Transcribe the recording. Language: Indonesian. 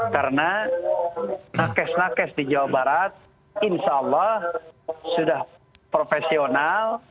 karena nakes nakes di jawa barat insya allah sudah profesional